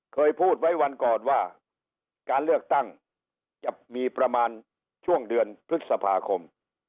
เคยพูดไว้วันก่อนว่าการเลือกตั้งจะมีประมาณช่วงเดือนพฤษภาคม